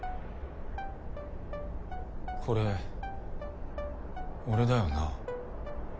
これ俺だよな？